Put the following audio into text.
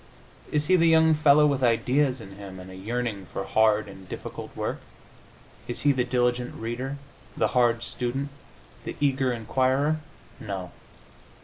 Is he the young fellow with ideas in him, and a yearning for hard and difficult work? Is he the diligent reader, the hard student, the eager inquirer? No.